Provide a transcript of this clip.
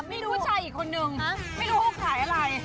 ผู้ชายอีกคนนึงไม่รู้เขาขายอะไร